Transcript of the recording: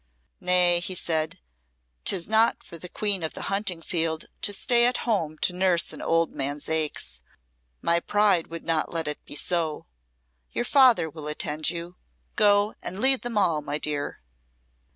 "Nay," he said, "'tis not for the queen of the hunting field to stay at home to nurse an old man's aches. My pride would not let it be so. Your father will attend you. Go and lead them all, my dear."